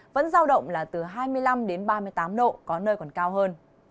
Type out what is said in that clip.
vẫn giao động là từ hai mươi năm đến ba mươi tám độ có nơi còn cao hơn